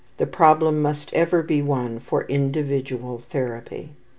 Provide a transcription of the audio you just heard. The problem must ever be one for individual therapy.